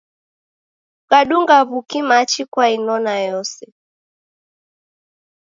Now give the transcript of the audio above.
Kukadunga w'uki machi kwainona yose.